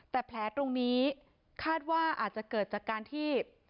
แต่แผลตรงนี้คาดว่าอาจจะเกิดจากการที่